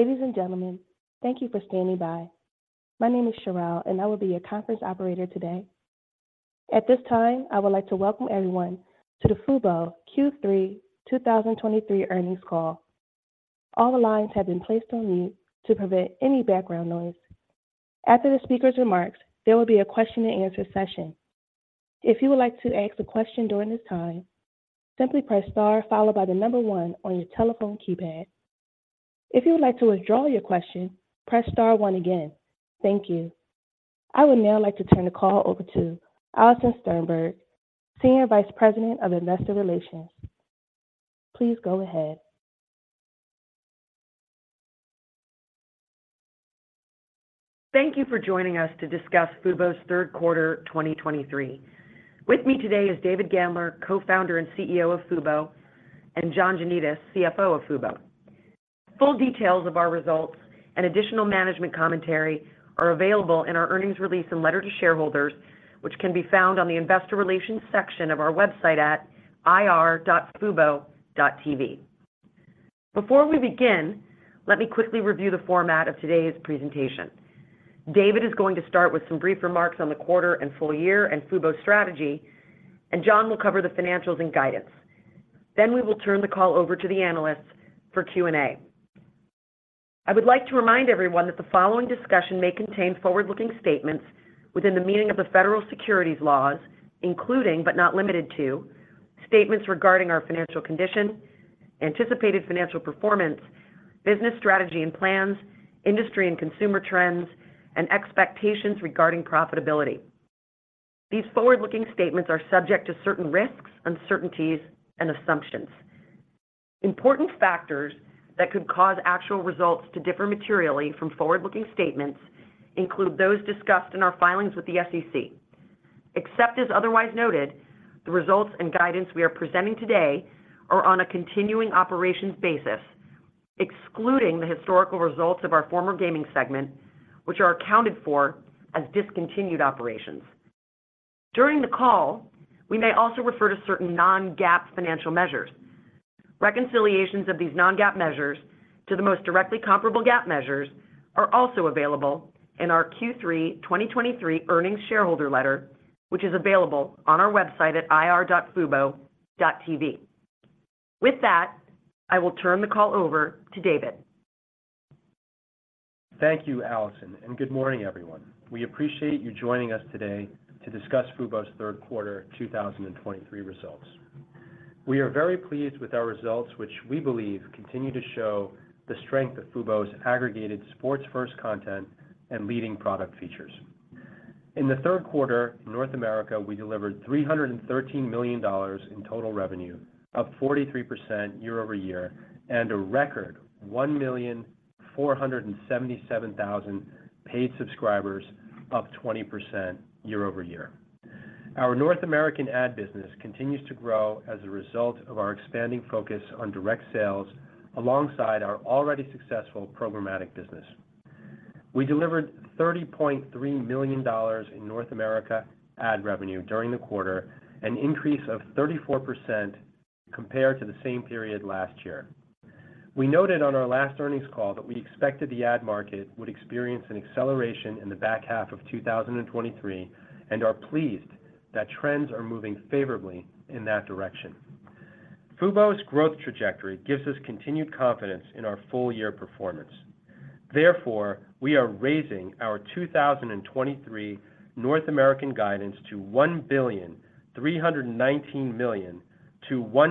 Ladies and gentlemen, thank you for standing by. My name is Cherrelle, and I will be your conference operator today. At this time, I would like to welcome everyone to the Fubo Q3 2023 earnings call. All the lines have been placed on mute to prevent any background noise. After the speaker's remarks, there will be a question-and-answer session. If you would like to ask a question during this time, simply press star followed by the number one on your telephone keypad. If you would like to withdraw your question, press star one again. Thank you. I would now like to turn the call over to Alison Sternberg, Senior Vice President of Investor Relations. Please go ahead. Thank you for joining us to discuss Fubo's third quarter 2023. With me today is David Gandler, Co-founder and CEO of Fubo, and John Janedis, CFO of Fubo. Full details of our results and additional management commentary are available in our earnings release and letter to shareholders, which can be found on the Investor Relations section of our website at ir.fubo.tv. Before we begin, let me quickly review the format of today's presentation. David is going to start with some brief remarks on the quarter and full year and Fubo's strategy, and John will cover the financials and guidance. Then we will turn the call over to the analysts for Q&A. I would like to remind everyone that the following discussion may contain forward-looking statements within the meaning of the federal securities laws, including, but not limited to, statements regarding our financial condition, anticipated financial performance, business strategy and plans, industry and consumer trends, and expectations regarding profitability. These forward-looking statements are subject to certain risks, uncertainties, and assumptions. Important factors that could cause actual results to differ materially from forward-looking statements include those discussed in our filings with the SEC. Except as otherwise noted, the results and guidance we are presenting today are on a continuing operations basis, excluding the historical results of our former gaming segment, which are accounted for as discontinued operations. During the call, we may also refer to certain non-GAAP financial measures. Reconciliations of these non-GAAP measures to the most directly comparable GAAP measures are also available in our Q3 2023 Earnings Shareholder Letter, which is available on our website at ir.fubo.tv. With that, I will turn the call over to David. Thank you, Alison, and good morning, everyone. We appreciate you joining us today to discuss Fubo's third quarter 2023 results. We are very pleased with our results, which we believe continue to show the strength of Fubo's aggregated sports first content and leading product features. In the third quarter, in North America, we delivered $313 million in total revenue, up 43% year-over-year, and a record 1,477,000 paid subscribers, up 20% year-over-year. Our North American ad business continues to grow as a result of our expanding focus on direct sales, alongside our already successful programmatic business. We delivered $30.3 million in North America ad revenue during the quarter, an increase of 34% compared to the same period last year. We noted on our last earnings call that we expected the ad market would experience an acceleration in the back half of 2023 and are pleased that trends are moving favorably in that direction. Fubo's growth trajectory gives us continued confidence in our full year performance. Therefore, we are raising our 2023 North America guidance to $1.319 billion-$1.324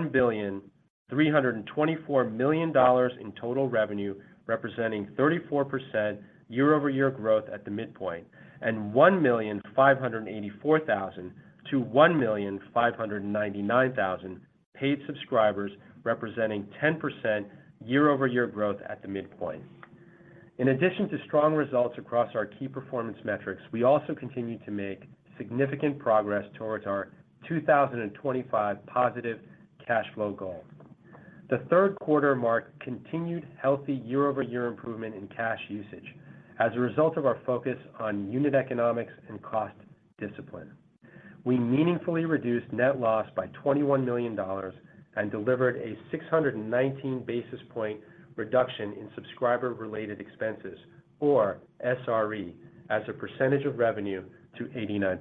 billion in total revenue, representing 34% year-over-year growth at the midpoint, and 1,584,000-1,599,000 paid subscribers, representing 10% year-over-year growth at the midpoint. In addition to strong results across our key performance metrics, we also continue to make significant progress towards our 2025 positive cash flow goal. The third quarter marked continued healthy year-over-year improvement in cash usage as a result of our focus on unit economics and cost discipline. We meaningfully reduced net loss by $21 million and delivered a 619 basis point reduction in subscriber-related expenses, or SRE, as a percentage of revenue to 89%.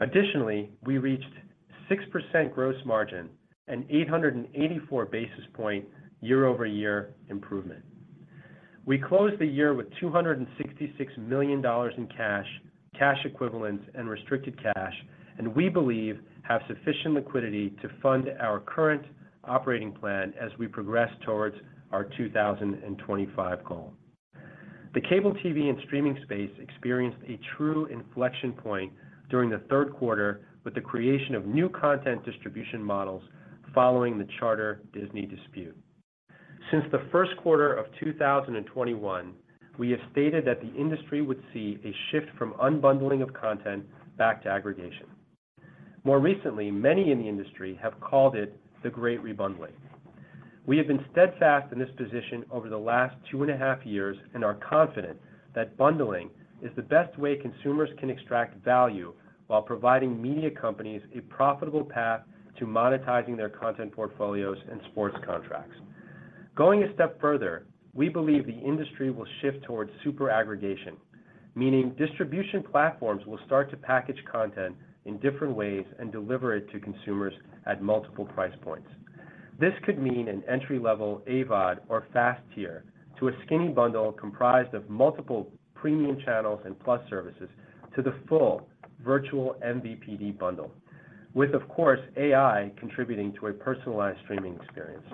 Additionally, we reached 6% gross margin and 884 basis point year-over-year improvement. We closed the year with $266 million in cash, cash equivalents, and restricted cash, and we believe have sufficient liquidity to fund our current operating plan as we progress towards our 2025 goal. The cable TV and streaming space experienced a true inflection point during the third quarter with the creation of new content distribution models following the Charter-Disney dispute. Since the first quarter of 2021, we have stated that the industry would see a shift from unbundling of content back to aggregation. More recently, many in the industry have called it the Great Rebundling. We have been steadfast in this position over the last 2.5 years and are confident that bundling is the best way consumers can extract value while providing media companies a profitable path to monetizing their content portfolios and sports contracts. Going a step further, we believe the industry will shift towards super aggregation, meaning distribution platforms will start to package content in different ways and deliver it to consumers at multiple price points. This could mean an entry-level AVOD or FAST tier, to a skinny bundle comprised of multiple premium channels and plus services, to the full virtual MVPD bundle, with, of course, AI contributing to a personalized streaming experience.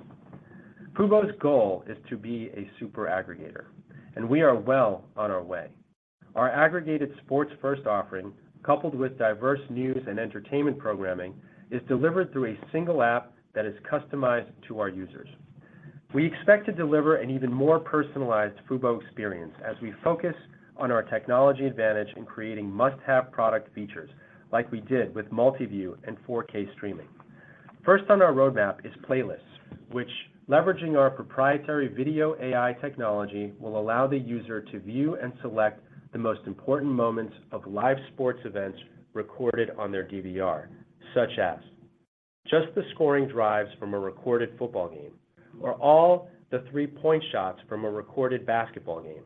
Fubo's goal is to be a super aggregator, and we are well on our way. Our aggregated sports-first offering, coupled with diverse news and entertainment programming, is delivered through a single app that is customized to our users. We expect to deliver an even more personalized Fubo experience as we focus on our technology advantage in creating must-have product features, like we did with Multiview and 4K streaming. First on our roadmap is Playlists, which, leveraging our proprietary video AI technology, will allow the user to view and select the most important moments of live sports events recorded on their DVR, such as just the scoring drives from a recorded football game or all the three-point shots from a recorded basketball game.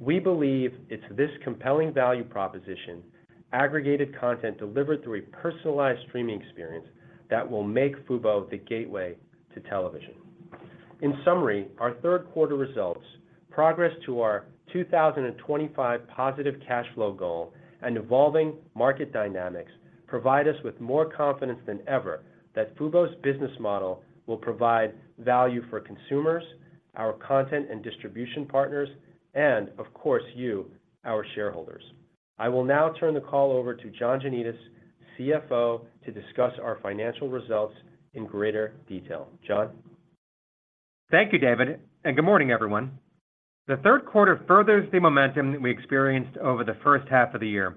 We believe it's this compelling value proposition, aggregated content delivered through a personalized streaming experience, that will make Fubo the gateway to television. In summary, our third quarter results, progress to our 2025 positive cash flow goal, and evolving market dynamics provide us with more confidence than ever that Fubo's business model will provide value for consumers, our content and distribution partners, and, of course, you, our shareholders. I will now turn the call over to John Janedis, CFO, to discuss our financial results in greater detail. John? Thank you, David, and good morning, everyone. The third quarter furthers the momentum that we experienced over the first half of the year,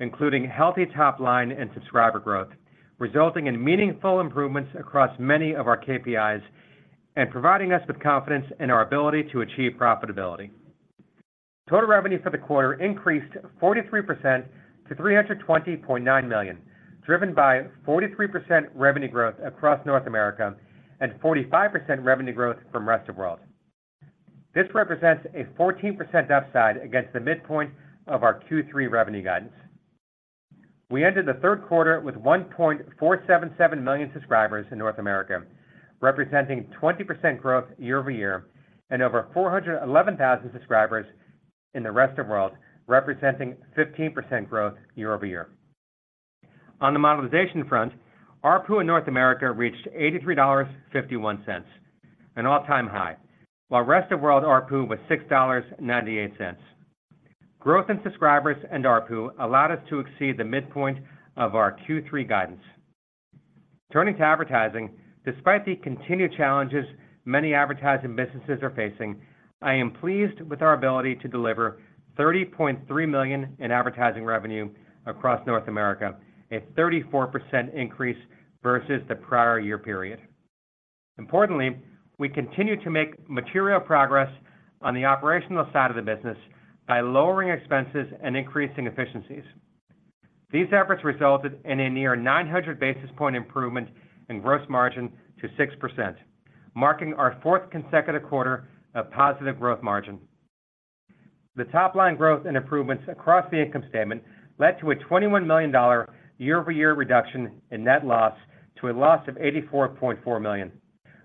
including healthy top line and subscriber growth, resulting in meaningful improvements across many of our KPIs and providing us with confidence in our ability to achieve profitability. Total revenue for the quarter increased 43% to $320.9 million, driven by 43% revenue growth across North America and 45% revenue growth from rest of world. This represents a 14% upside against the midpoint of our Q3 revenue guidance. We ended the third quarter with 1.477 million subscribers in North America, representing 20% growth year-over-year, and over 411,000 subscribers in the rest of world, representing 15% growth year-over-year. On the monetization front, ARPU in North America reached $83.51, an all-time high, while rest of world ARPU was $6.98. Growth in subscribers and ARPU allowed us to exceed the midpoint of our Q3 guidance. Turning to advertising, despite the continued challenges many advertising businesses are facing, I am pleased with our ability to deliver $30.3 million in advertising revenue across North America, a 34% increase versus the prior year period. Importantly, we continue to make material progress on the operational side of the business by lowering expenses and increasing efficiencies. These efforts resulted in a near 900 basis point improvement in gross margin to 6%, marking our fourth consecutive quarter of positive growth margin. The top line growth and improvements across the income statement led to a $21 million year-over-year reduction in net loss to a loss of $84.4 million,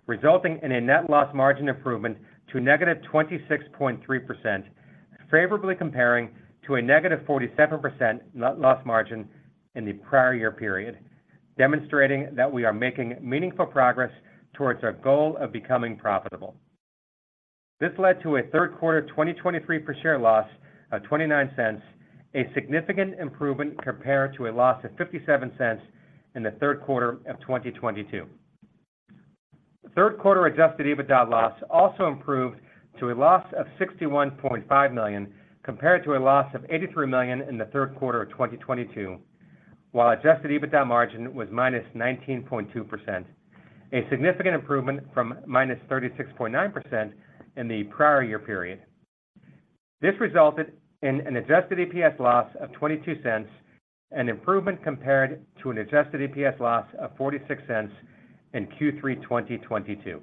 resulting in a net loss margin improvement to -26.3%, favorably comparing to a -47% net loss margin in the prior year period, demonstrating that we are making meaningful progress towards our goal of becoming profitable. This led to a third quarter 22% loss of $0.29, a significant improvement compared to a loss of $0.57 in the third quarter of 2022. Third quarter adjusted EBITDA loss also improved to a loss of $61.5 million, compared to a loss of $83 million in the third quarter of 2022, while adjusted EBITDA margin was -19.2%, a significant improvement from -36.9% in the prior year period. This resulted in an adjusted EPS loss of $0.22, an improvement compared to an adjusted EPS loss of $0.46 in Q3 2022.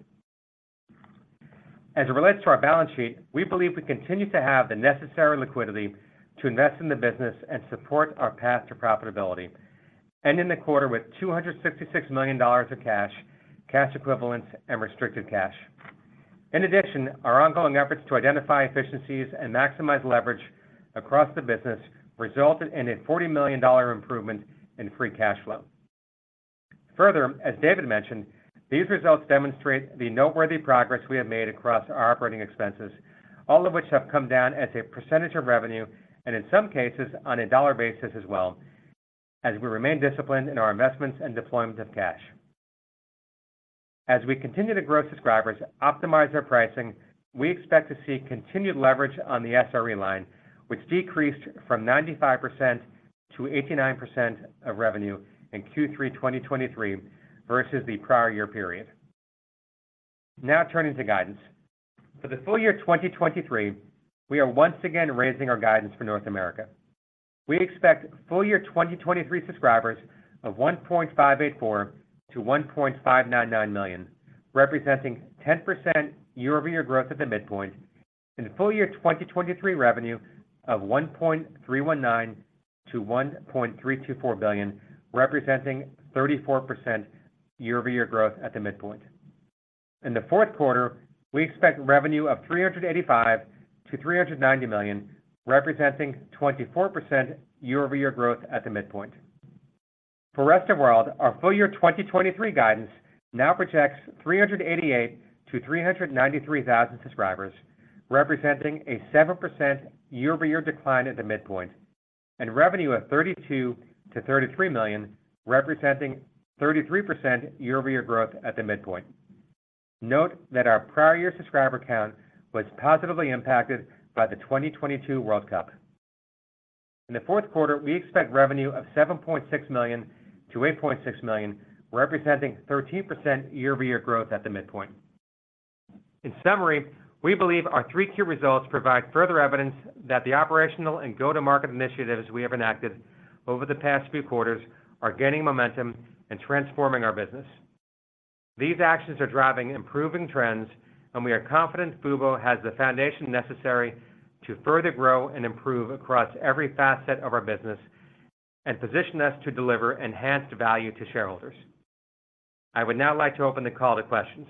As it relates to our balance sheet, we believe we continue to have the necessary liquidity to invest in the business and support our path to profitability, ending the quarter with $266 million of cash, cash equivalents, and restricted cash. In addition, our ongoing efforts to identify efficiencies and maximize leverage across the business resulted in a $40 million improvement in free cash flow. Further, as David mentioned, these results demonstrate the noteworthy progress we have made across our operating expenses, all of which have come down as a percentage of revenue, and in some cases, on a dollar basis as well, as we remain disciplined in our investments and deployment of cash. As we continue to grow subscribers, optimize our pricing, we expect to see continued leverage on the SRE line, which decreased from 95% to 89% of revenue in Q3 2023 versus the prior year period. Now, turning to guidance. For the full year 2023, we are once again raising our guidance for North America. We expect full year 2023 subscribers of 1.584-1.599 million, representing 10% year-over-year growth at the midpoint, and full year 2023 revenue of $1.319-$1.324 billion, representing 34% year-over-year growth at the midpoint. In the fourth quarter, we expect revenue of $385-$390 million, representing 24% year-over-year growth at the midpoint. For rest of world, our full year 2023 guidance now projects 388,000-393,000 subscribers, representing a 7% year-over-year decline at the midpoint, and revenue of $32-$33 million, representing 33% year-over-year growth at the midpoint. Note that our prior year subscriber count was positively impacted by the 2022 World Cup. In the fourth quarter, we expect revenue of $7.6 million-$8.6 million, representing 13% year-over-year growth at the midpoint. In summary, we believe our Q3 results provide further evidence that the operational and go-to-market initiatives we have enacted over the past few quarters are gaining momentum and transforming our business. These actions are driving improving trends, and we are confident Fubo has the foundation necessary to further grow and improve across every facet of our business and position us to deliver enhanced value to shareholders. I would now like to open the call to questions.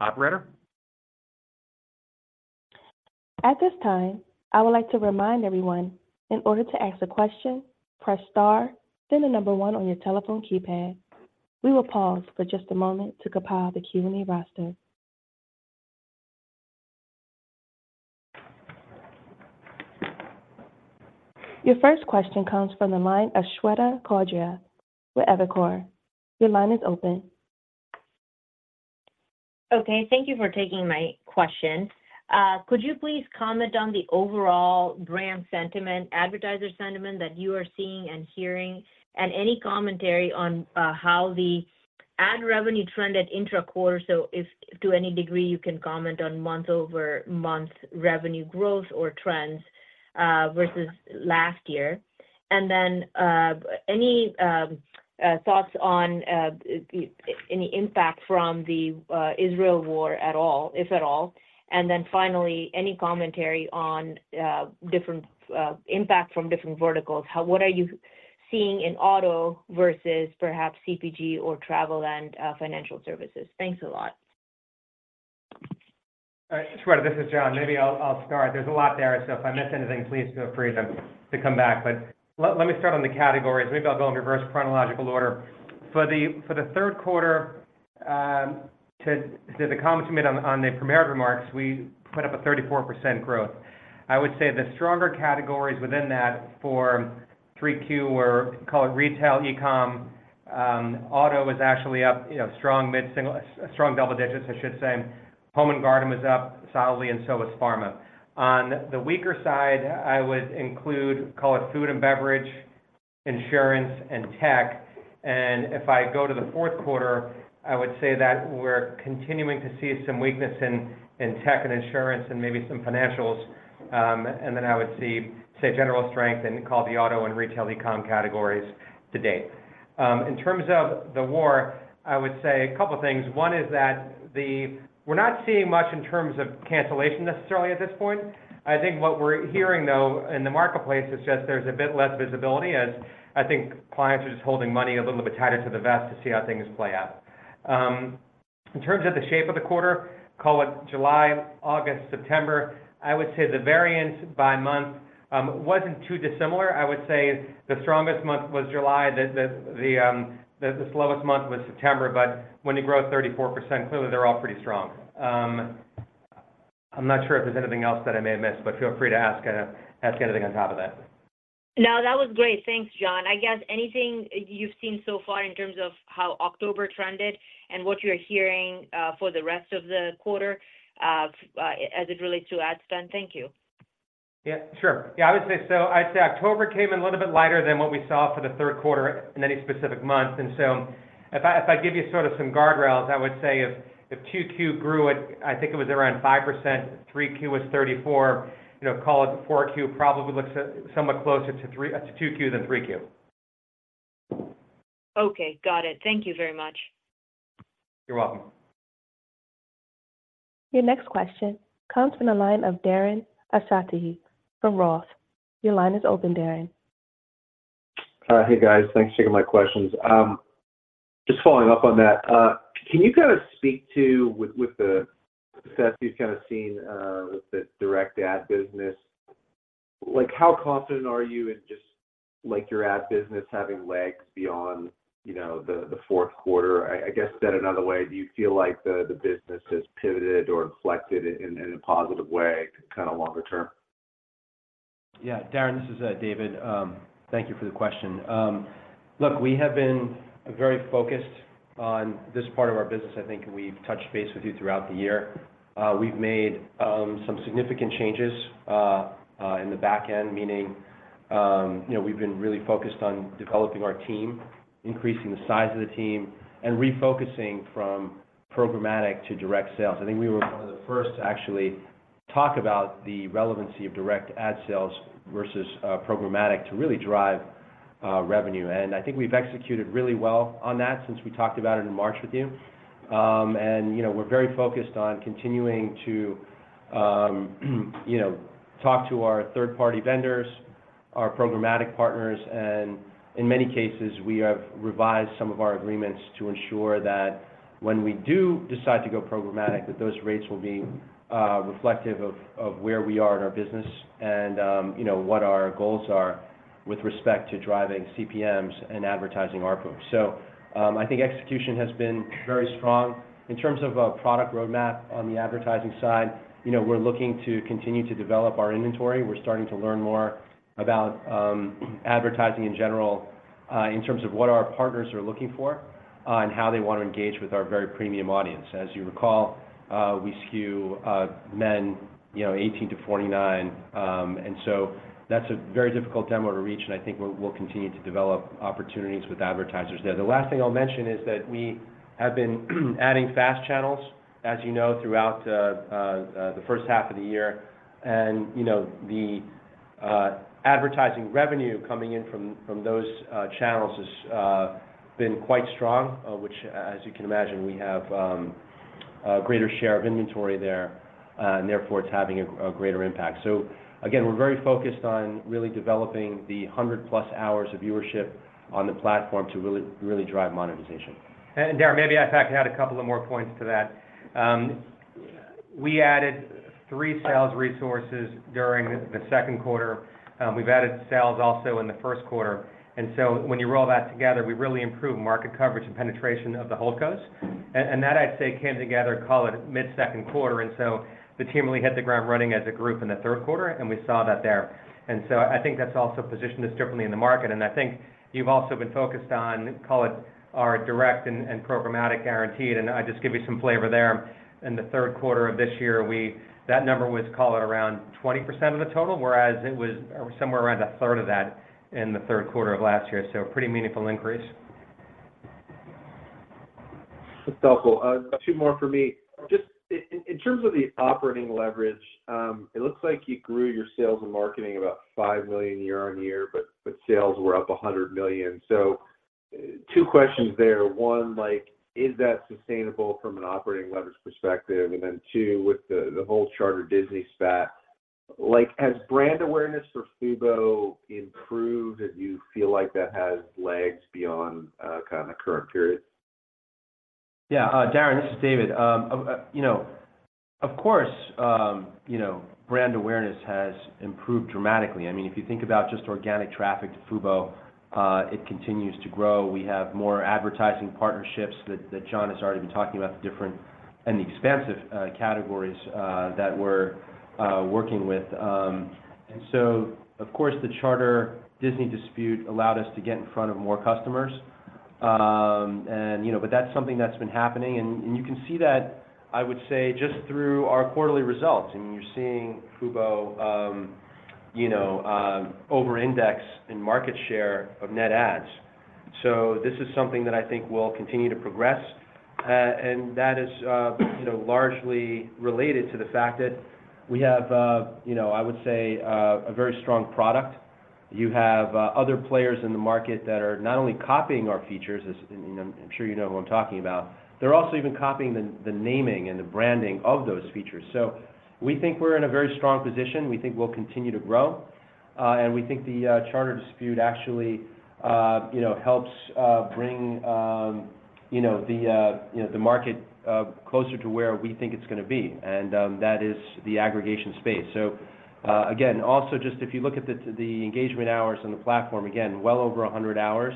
Operator? At this time, I would like to remind everyone, in order to ask a question, press star, then the number one on your telephone keypad. We will pause for just a moment to compile the Q&A roster. Your first question comes from the line of Shweta Khajuria with Evercore. Your line is open. Okay, thank you for taking my question. Could you please comment on the overall brand sentiment, advertiser sentiment that you are seeing and hearing, and any commentary on how the ad revenue trend at intra quarter, so if to any degree, you can comment on month-over-month revenue growth or trends versus last year? And then, any thoughts on any impact from the Israel war at all, if at all? And then finally, any commentary on different impact from different verticals. What are you seeing in auto versus perhaps CPG or travel and financial services? Thanks a lot. Shweta, this is John. Maybe I'll start. There's a lot there, so if I miss anything, please feel free to come back. But let me start on the categories. Maybe I'll go in reverse chronological order. For the third quarter, to the comments you made on the prepared remarks, we put up a 34% growth. I would say the stronger categories within that for 3Q were, call it retail, e-com. Auto was actually up, you know, strong mid-single, strong double digits, I should say. Home and garden was up solidly, and so was pharma. On the weaker side, I would include, call it food and beverage, insurance, and tech. And if I go to the fourth quarter, I would say that we're continuing to see some weakness in tech and insurance and maybe some financials. And then I would say general strength in the auto and retail e-com categories to date. In terms of the war, I would say a couple of things. One is that we're not seeing much in terms of cancellation necessarily at this point. I think what we're hearing, though, in the marketplace is just there's a bit less visibility, as I think clients are just holding money a little bit tighter to the vest to see how things play out. In terms of the shape of the quarter, call it July, August, September, I would say the variance by month wasn't too dissimilar. I would say the strongest month was July. The slowest month was September, but when you grow 34%, clearly, they're all pretty strong. I'm not sure if there's anything else that I may have missed, but feel free to ask anything on top of that. No, that was great. Thanks, John. I guess anything you've seen so far in terms of how October trended and what you're hearing, for the rest of the quarter, as it relates to ad spend? Thank you. Yeah, sure. Yeah, I would say so. I'd say October came in a little bit lighter than what we saw for the third quarter in any specific month. And so if I, if I give you sort of some guardrails, I would say if, if 2Q grew at, I think it was around 5%, 3Q was 34%, you know, call it 4Q probably looks somewhat closer to 2Q than 3Q. Okay, got it. Thank you very much. You're welcome. Your next question comes from the line of Darren Aftahi from ROTH. Your line is open, Darren. Hey, guys, thanks for taking my questions. Just following up on that, can you kind of speak to, with the success you've kind of seen, with the direct ad business, like, how confident are you in just, like, your ad business having legs beyond, you know, the fourth quarter? I guess said another way, do you feel like the business has pivoted or inflected in a positive way, kind of longer term? Yeah. Darren, this is David. Thank you for the question. Look, we have been very focused on this part of our business. I think we've touched base with you throughout the year. We've made some significant changes in the back end, meaning...... you know, we've been really focused on developing our team, increasing the size of the team, and refocusing from programmatic to direct sales. I think we were one of the first to actually talk about the relevancy of direct ad sales versus, programmatic to really drive, revenue. And I think we've executed really well on that since we talked about it in March with you. And, you know, we're very focused on continuing to, you know, talk to our third-party vendors, our programmatic partners, and in many cases, we have revised some of our agreements to ensure that when we do decide to go programmatic, that those rates will be, reflective of, where we are in our business and, you know, what our goals are with respect to driving CPMs and advertising ARPU. So, I think execution has been very strong. In terms of a product roadmap on the advertising side, you know, we're looking to continue to develop our inventory. We're starting to learn more about, advertising in general, in terms of what our partners are looking for, and how they want to engage with our very premium audience. As you recall, we skew, men, you know, 18 to 49, and so that's a very difficult demo to reach, and I think we'll, we'll continue to develop opportunities with advertisers there. The last thing I'll mention is that we have been adding fast channels, as you know, throughout the, the first half of the year. You know, the advertising revenue coming in from those channels has been quite strong, which, as you can imagine, we have a greater share of inventory there, and therefore it's having a greater impact. So again, we're very focused on really developing the 100-plus hours of viewership on the platform to really, really drive monetization. And Darren, maybe I can add a couple of more points to that. We added three sales resources during the second quarter. We've added sales also in the first quarter. And so when you roll that together, we really improved market coverage and penetration of the whole coast. And that, I'd say, came together, call it mid-second quarter, and so the team really hit the ground running as a group in the third quarter, and we saw that there. And so I think that's also positioned us differently in the market. And I think you've also been focused on, call it, our direct and programmatic guaranteed. And I'll just give you some flavor there. In the third quarter of this year, that number was, call it, around 20% of the total, whereas it was somewhere around a third of that in the third quarter of last year. So a pretty meaningful increase. That's helpful. Two more for me. Just in terms of the operating leverage, it looks like you grew your sales and marketing about $5 million year-over-year, but sales were up $100 million. So two questions there. One, like, is that sustainable from an operating leverage perspective? And then two, with the whole Charter-Disney spat, like, has brand awareness for Fubo improved, and you feel like that has legs beyond kinda the current period? Yeah, Darren, this is David. You know, of course, you know, brand awareness has improved dramatically. I mean, if you think about just organic traffic to Fubo, it continues to grow. We have more advertising partnerships that John has already been talking about, the different and the expansive categories that we're working with. And so, of course, the Charter-Disney dispute allowed us to get in front of more customers. And, you know, but that's something that's been happening, and you can see that, I would say, just through our quarterly results. I mean, you're seeing Fubo, you know, over-index in market share of net adds. So this is something that I think will continue to progress, and that is, you know, largely related to the fact that we have, you know, I would say, a very strong product. You have, other players in the market that are not only copying our features, as, you know, I'm sure you know who I'm talking about. They're also even copying the naming and the branding of those features. So we think we're in a very strong position. We think we'll continue to grow, and we think the Charter dispute actually, you know, helps bring, you know, the market closer to where we think it's gonna be, and, that is the aggregation space. So, again, also, just if you look at the engagement hours on the platform, again, well over 100 hours,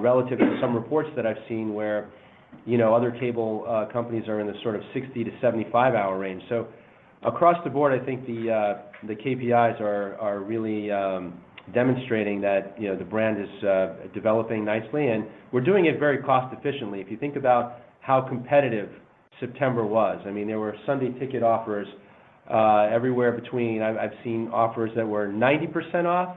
relative to some reports that I've seen where, you know, other cable companies are in the sort of 60-75-hour range. So across the board, I think the KPIs are really demonstrating that, you know, the brand is developing nicely, and we're doing it very cost efficiently. If you think about how competitive September was, I mean, there were Sunday Ticket offers everywhere between... I've seen offers that were 90% off,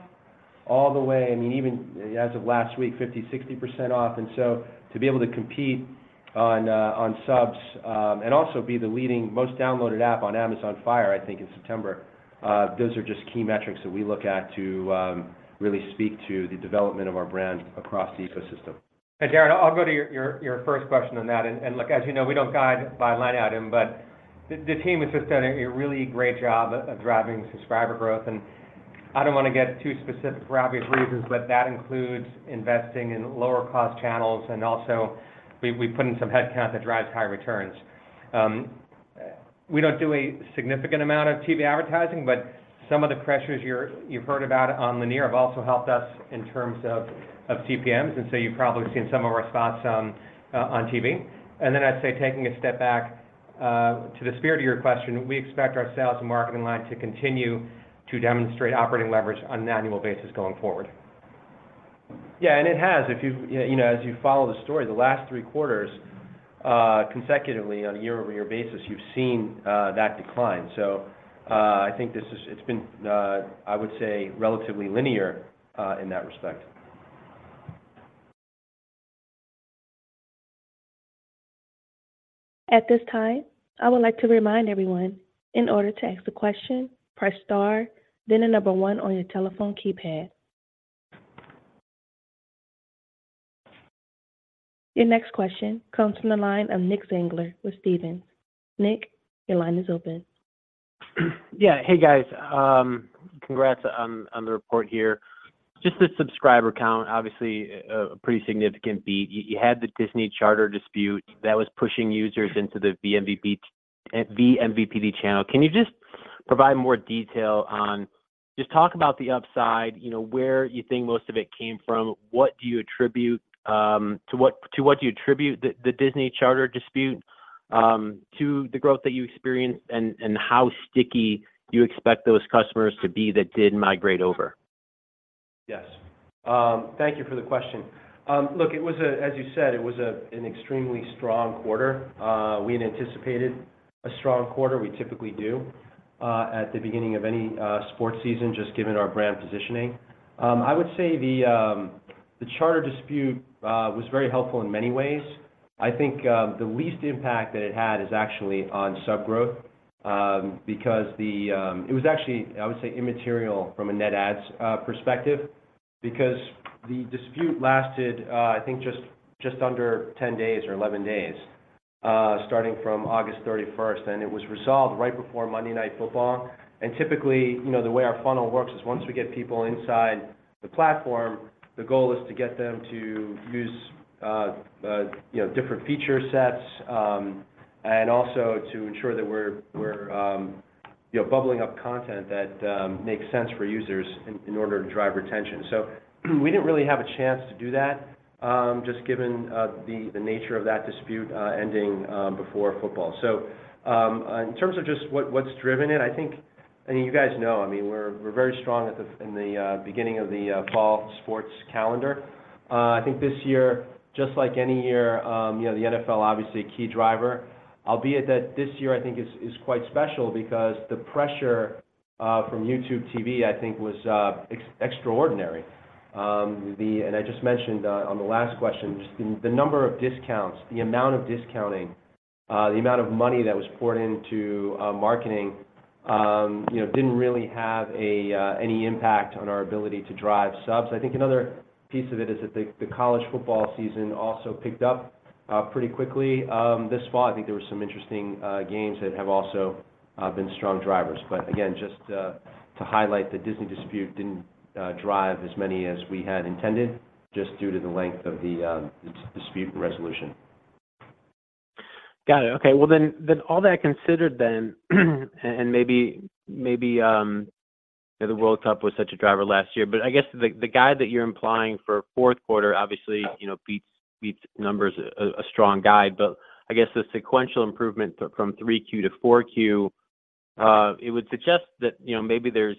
all the way, I mean, even as of last week, 50, 60% off. And so to be able to compete on subs, and also be the leading most downloaded app on Amazon Fire, I think in September, those are just key metrics that we look at to really speak to the development of our brand across the ecosystem. And Darren, I'll go to your first question on that, and look, as you know, we don't guide by line item, but the team has just done a really great job of driving subscriber growth, and I don't wanna get too specific for obvious reasons, but that includes investing in lower cost channels, and also we put in some headcount that drives high returns. We don't do a significant amount of TV advertising, but some of the pressures you've heard about on linear have also helped us in terms of CPMs, and so you've probably seen some of our spots on TV. And then I'd say, taking a step back, to the spirit of your question, we expect our sales and marketing line to continue to demonstrate operating leverage on an annual basis going forward.... Yeah, and it has. If you've, you know, as you follow the story, the last three quarters, consecutively on a year-over-year basis, you've seen, that decline. So, I think this is- it's been, I would say, relatively linear, in that respect. At this time, I would like to remind everyone, in order to ask a question, press star, then the number one on your telephone keypad. Your next question comes from the line of Nick Zangler with Stephens. Nick, your line is open. Yeah, hey, guys. Congrats on the report here. Just the subscriber count, obviously, a pretty significant beat. You had the Disney Charter dispute that was pushing users into the vMVPD channel. Can you just provide more detail on—just talk about the upside, you know, where you think most of it came from, what do you attribute to what do you attribute the Disney Charter dispute to the growth that you experienced, and how sticky do you expect those customers to be that did migrate over? Yes. Thank you for the question. Look, as you said, it was an extremely strong quarter. We had anticipated a strong quarter. We typically do at the beginning of any sports season, just given our brand positioning. I would say the Charter dispute was very helpful in many ways. I think the least impact that it had is actually on sub growth because it was actually, I would say, immaterial from a net adds perspective, because the dispute lasted, I think just under 10 days or 11 days, starting from August 31st, and it was resolved right before Monday Night Football. And typically, you know, the way our funnel works is once we get people inside the platform, the goal is to get them to use you know, different feature sets, and also to ensure that we're we're you know, bubbling up content that makes sense for users in in order to drive retention. So, we didn't really have a chance to do that, just given the nature of that dispute ending before football. So, in terms of just what's driven it, I think... I mean, you guys know, I mean, we're very strong in the beginning of the fall sports calendar. I think this year, just like any year, you know, the NFL, obviously, a key driver. Albeit that this year, I think, is quite special because the pressure from YouTube TV, I think, was extraordinary. And I just mentioned, on the last question, just the number of discounts, the amount of discounting, the amount of money that was poured into marketing, you know, didn't really have any impact on our ability to drive subs. I think another piece of it is that the college football season also picked up pretty quickly. This fall, I think there were some interesting games that have also been strong drivers. But again, just to highlight, the Disney dispute didn't drive as many as we had intended, just due to the length of its dispute resolution. Got it. Okay, well, then all that considered, and maybe the World Cup was such a driver last year. But I guess the guide that you're implying for fourth quarter, obviously, you know, beats numbers, a strong guide. But I guess the sequential improvement from 3Q to 4Q, it would suggest that, you know, maybe there's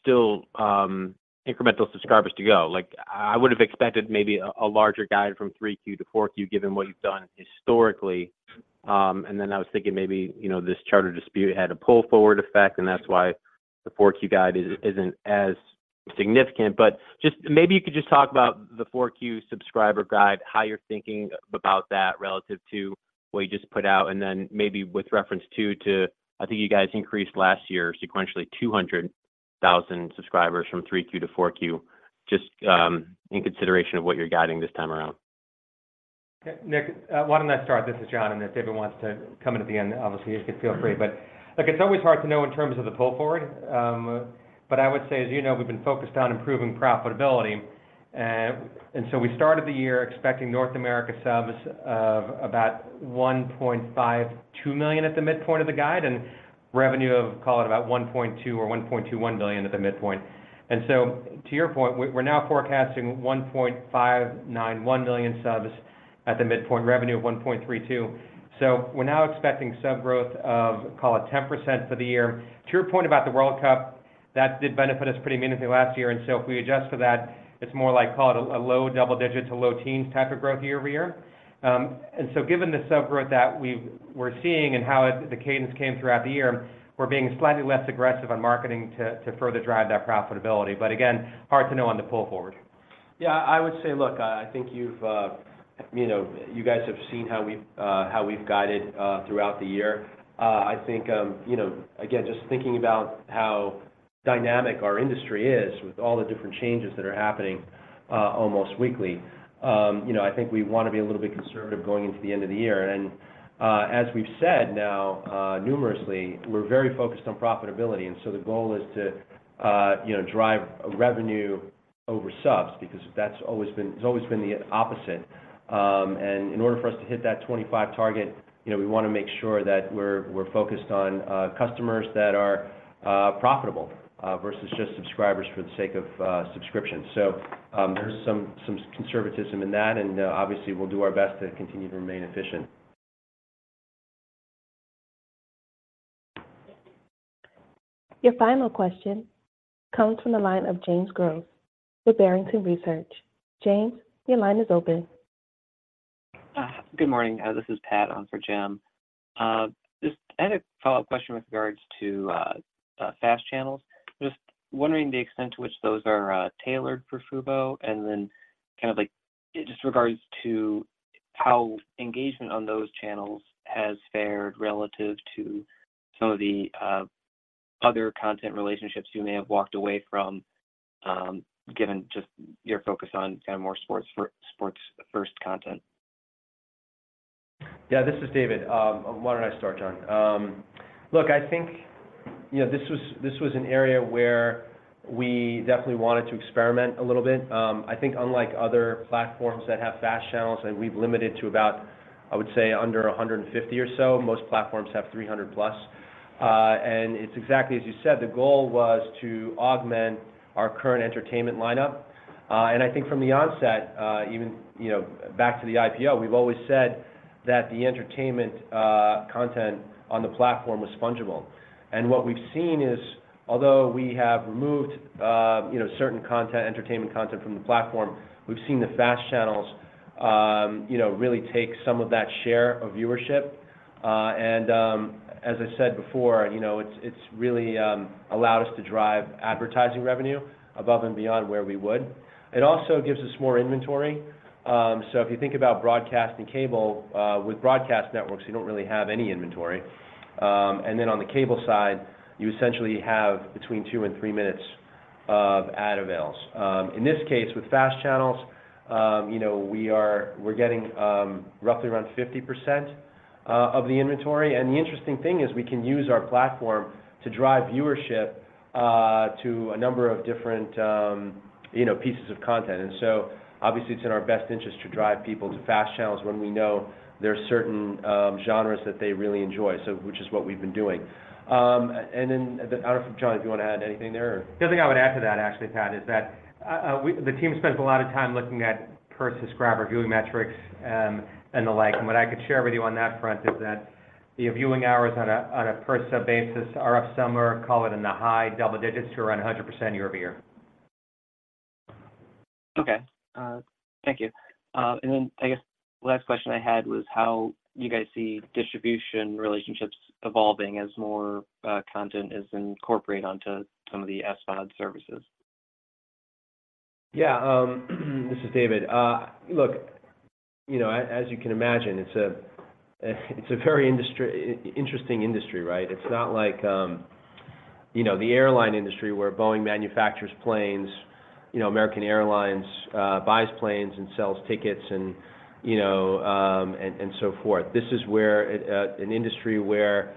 still incremental subscribers to go. Like, I would have expected maybe a larger guide from 3Q to 4Q, given what you've done historically. And then I was thinking maybe, you know, this Charter dispute had a pull-forward effect, and that's why the 4Q guide isn't as significant. Just maybe you could just talk about the 4Q subscriber guidance, how you're thinking about that relative to what you just put out, and then maybe with reference to, to... I think you guys increased last year, sequentially, 200,000 subscribers from 3Q to 4Q, just, in consideration of what you're guiding this time around. Nick, why don't I start? This is John, and if David wants to come in at the end, obviously, he could feel free. But look, it's always hard to know in terms of the pull forward. But I would say, as you know, we've been focused on improving profitability. And so we started the year expecting North America subs of about 1.52 million at the midpoint of the guide, and revenue of, call it, about $1.2 or $1.21 billion at the midpoint. And so, to your point, we're now forecasting 1.591 million subs at the midpoint, revenue of $1.32 billion. So we're now expecting sub growth of, call it, 10% for the year. To your point about the World Cup, that did benefit us pretty meaningfully last year, and so if we adjust for that, it's more like, call it, a low double-digit to low teens type of growth year-over-year. And so given the sub growth that we're seeing and how it, the cadence came throughout the year, we're being slightly less aggressive on marketing to further drive that profitability. But again, hard to know on the pull forward. Yeah, I would say, look, I think you've, you know, you guys have seen how we've guided throughout the year. I think, you know, again, just thinking about how dynamic our industry is with all the different changes that are happening, almost weekly, you know, I think we want to be a little bit conservative going into the end of the year. And, as we've said now, numerously, we're very focused on profitability, and so the goal is to, you know, drive revenue over subs, because that's always been—it's always been the opposite. And in order for us to hit that 25 target, you know, we wanna make sure that we're focused on, customers that are profitable, versus just subscribers for the sake of subscription. So, there's some conservatism in that, and, obviously, we'll do our best to continue to remain efficient.... Your final question comes from the line of James Goss with Barrington Research. James, your line is open. Good morning. This is Pat on for Jim. Just I had a follow-up question with regards to FAST channels. Just wondering the extent to which those are tailored for Fubo, and then kind of like, just regards to how engagement on those channels has fared relative to some of the other content relationships you may have walked away from, given just your focus on kind of more sports for- sports first content? Yeah, this is David. Why don't I start, John? Look, I think, you know, this was, this was an area where we definitely wanted to experiment a little bit. I think unlike other platforms that have FAST channels, and we've limited to about, I would say, under 150 or so, most platforms have 300+. And it's exactly as you said, the goal was to augment our current entertainment lineup. And I think from the onset, even, you know, back to the IPO, we've always said that the entertainment content on the platform was fungible. And what we've seen is, although we have removed, you know, certain content, entertainment content from the platform, we've seen the FAST channels, you know, really take some of that share of viewership. And as I said before, you know, it's really allowed us to drive advertising revenue above and beyond where we would. It also gives us more inventory. So if you think about broadcast and cable, with broadcast networks, you don't really have any inventory. And then on the cable side, you essentially have between 2 and 3 minutes of ad avails. In this case, with fast channels, you know, we're getting roughly around 50% of the inventory. And the interesting thing is we can use our platform to drive viewership to a number of different, you know, pieces of content. And so obviously, it's in our best interest to drive people to fast channels when we know there are certain genres that they really enjoy, so which is what we've been doing. And then, I don't know if, John, if you want to add anything there, or? The other thing I would add to that, actually, Pat, is that we the team spent a lot of time looking at per subscriber viewing metrics, and the like. And what I could share with you on that front is that the viewing hours on a per sub basis are up somewhere, call it in the high double digits to around 100% year-over-year. Okay. Thank you. And then I guess the last question I had was how you guys see distribution relationships evolving as more content is incorporated onto some of the SVOD services? Yeah, this is David. Look, you know, as you can imagine, it's a very interesting industry, right? It's not like, you know, the airline industry, where Boeing manufactures planes, you know, American Airlines buys planes and sells tickets and, you know, and so forth. This is an industry where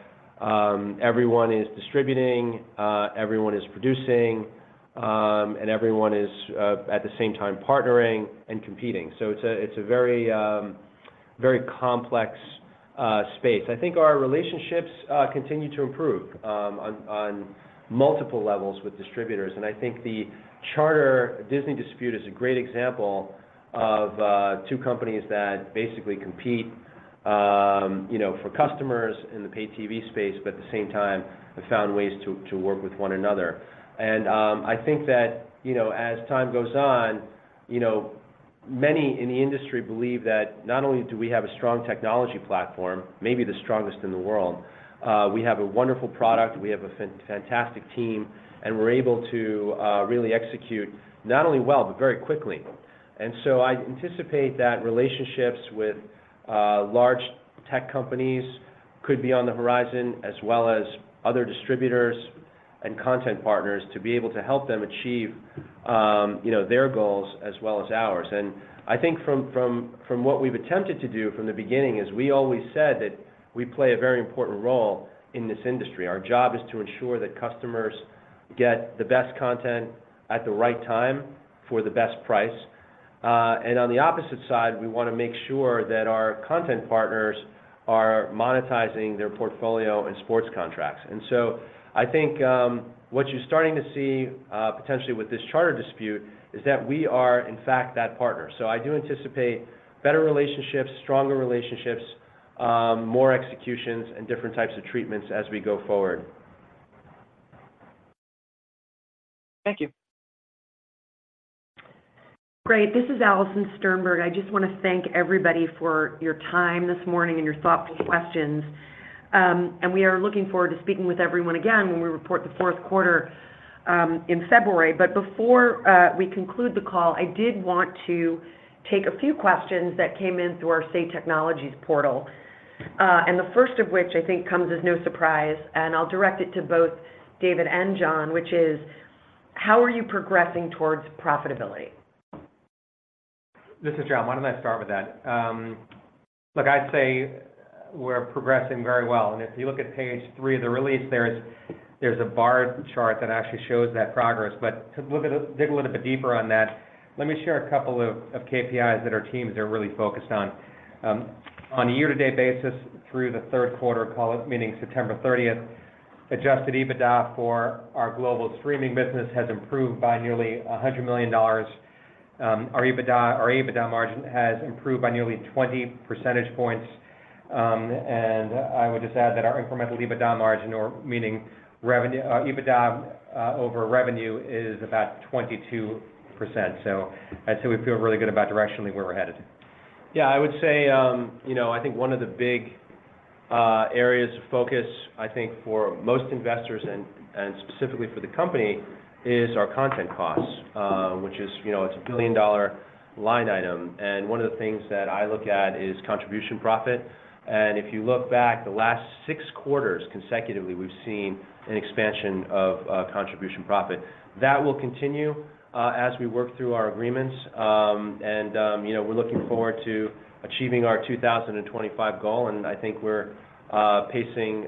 everyone is distributing, everyone is producing, and everyone is at the same time partnering and competing. So it's a very complex space. I think our relationships continue to improve on multiple levels with distributors. And I think the Charter-Disney dispute is a great example of two companies that basically compete, you know, for customers in the paid TV space, but at the same time, have found ways to work with one another. I think that, you know, as time goes on, you know, many in the industry believe that not only do we have a strong technology platform, maybe the strongest in the world, we have a wonderful product, we have a fantastic team, and we're able to really execute not only well, but very quickly. And so I anticipate that relationships with large tech companies could be on the horizon, as well as other distributors and content partners, to be able to help them achieve, you know, their goals as well as ours. I think from what we've attempted to do from the beginning is, we always said that we play a very important role in this industry. Our job is to ensure that customers get the best content at the right time for the best price. On the opposite side, we wanna make sure that our content partners are monetizing their portfolio and sports contracts. So I think, what you're starting to see, potentially with this Charter dispute, is that we are, in fact, that partner. I do anticipate better relationships, stronger relationships, more executions, and different types of treatments as we go forward. Thank you. Great. This is Alison Sternberg. I just wanna thank everybody for your time this morning and your thoughtful questions. And we are looking forward to speaking with everyone again when we report the fourth quarter, in February. But before we conclude the call, I did want to take a few questions that came in through our SAY Technologies portal. And the first of which I think comes as no surprise, and I'll direct it to both David and John, which is: How are you progressing towards profitability? This is John. Why don't I start with that? Look, I'd say we're progressing very well. If you look at page 3 of the release, there's a bar chart that actually shows that progress. But dig a little bit deeper on that, let me share a couple of KPIs that our teams are really focused on. On a year-to-date basis, through the third quarter call, meaning September 30, Adjusted EBITDA for our global streaming business has improved by nearly $100 million.... our EBITDA, our EBITDA margin has improved by nearly 20 percentage points. And I would just add that our incremental EBITDA margin or meaning revenue, our EBITDA, over revenue is about 22%. So I'd say we feel really good about directionally where we're headed. Yeah, I would say, you know, I think one of the big areas of focus, I think for most investors and, and specifically for the company, is our content costs, which is, you know, it's a billion-dollar line item. And one of the things that I look at is contribution profit. And if you look back, the last 6 quarters consecutively, we've seen an expansion of contribution profit. That will continue as we work through our agreements. You know, we're looking forward to achieving our 2025 goal, and I think we're pacing,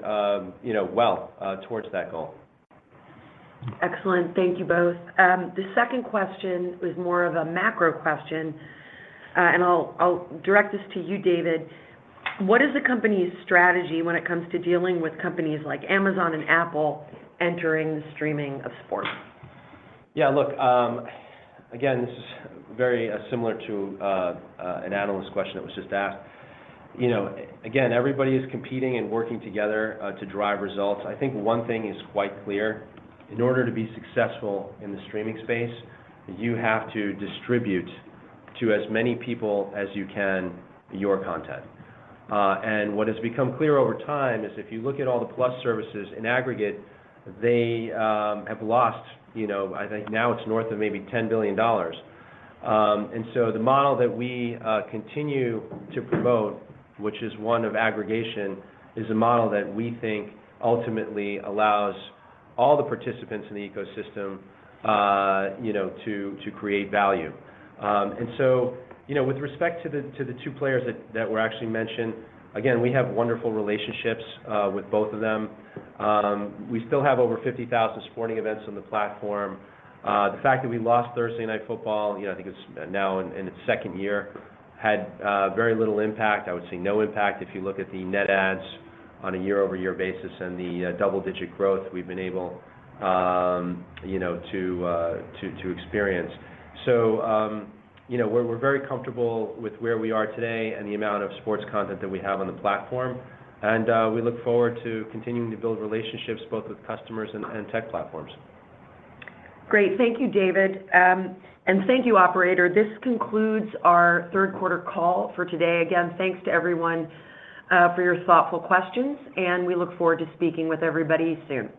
you know, well, towards that goal. Excellent. Thank you both. The second question is more of a macro question, and I'll direct this to you, David. What is the company's strategy when it comes to dealing with companies like Amazon and Apple entering the streaming of sports? Yeah, look, again, this is very similar to an analyst question that was just asked. You know, again, everybody is competing and working together to drive results. I think one thing is quite clear: in order to be successful in the streaming space, you have to distribute to as many people as you can, your content. And what has become clear over time is, if you look at all the plus services in aggregate, they have lost, you know, I think now it's north of maybe $10 billion. And so the model that we continue to promote, which is one of aggregation, is a model that we think ultimately allows all the participants in the ecosystem, you know, to create value. And so, you know, with respect to the two players that were actually mentioned, again, we have wonderful relationships with both of them. We still have over 50,000 sporting events on the platform. The fact that we lost Thursday Night Football, you know, I think it's now in its second year, had very little impact. I would say no impact if you look at the net adds on a year-over-year basis and the double-digit growth we've been able to experience. So, you know, we're very comfortable with where we are today and the amount of sports content that we have on the platform, and we look forward to continuing to build relationships, both with customers and tech platforms. Great. Thank you, David. Thank you, operator. This concludes our third quarter call for today. Again, thanks to everyone for your thoughtful questions, and we look forward to speaking with everybody soon.